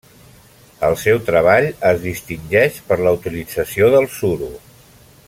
El seu treball es distingeix per la utilització del suro.